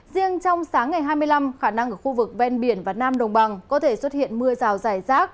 riêng trong sáng ngày hai mươi năm khả năng ở khu vực ven biển và nam đồng bằng có thể xuất hiện mưa rào dài rác